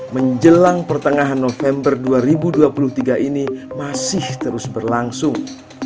menjelang pertengahan november dua ribu dua puluh tiga ini masih terus berlangsung